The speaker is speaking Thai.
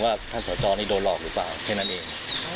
ว่าท่านสชาวนี้โดนหลอกหรือนั่นเอง